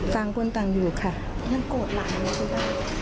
ต่างคนต่างอยู่ค่ะยังโกรธหลากไว้ไหมคือ